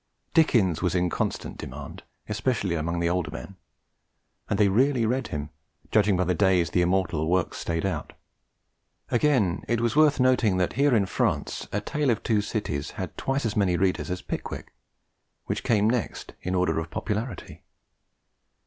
Dickens was in constant demand, especially among the older men; and they really read him, judging by the days the immortal works stayed out. Again, it was worth noting that here in France A Tale of Two Cities had twice as many readers as Pickwick, which came next in order of popularity.